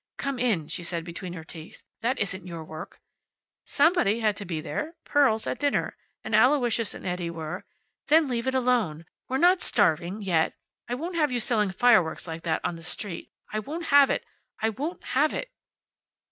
"Come in," she said, between her teeth. "That isn't your work." "Somebody had to be there. Pearl's at dinner. And Aloysius and Eddie were " "Then leave it alone. We're not starving yet. I won't have you selling fireworks like that on the street. I won't have it! I won't have it!"